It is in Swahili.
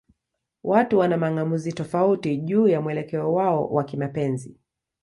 Watu wana mang'amuzi tofauti juu ya mwelekeo wao wa kimapenzi.